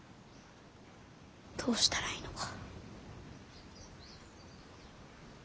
どうしたらいいのか。